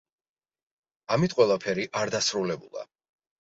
ამით ყველაფერი არ დასრულებულა.